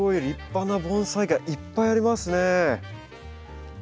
立派な盆栽がいっぱいありますね。